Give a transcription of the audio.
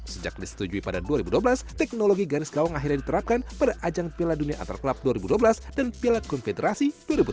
sejak disetujui pada dua ribu dua belas teknologi garis gawang akhirnya diterapkan pada ajang piala dunia antarklub dua ribu dua belas dan pilak konfederasi dua ribu tujuh belas